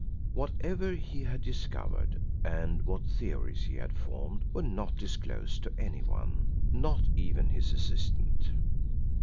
Whatever he had discovered and what theories he had formed were not disclosed to anyone, not even his assistant.